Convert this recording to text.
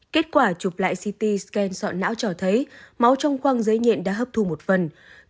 kết quả chụp lại ct scan soạn não cho thấy máu trong khoang giấy nhện đã hấp thu một phần